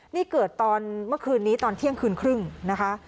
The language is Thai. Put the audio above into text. นี่เกิดตอนเมื่อคืนนี้ตอนเที่ยงคืนครึ่งนะคะ